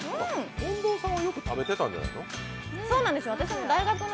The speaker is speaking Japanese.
近藤さんはよく食べてたんじゃないの？